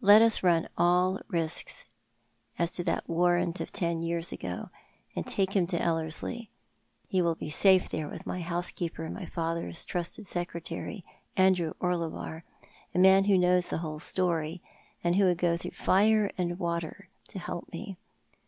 Let us run all risks as to that warrant of ten years ago, and take him to Ellerslie. He will be safe there with my housekeeper and my father's trusted secretary, Andrew Orlebar, a man who knows the whole story, and who would go through fire and water to help me."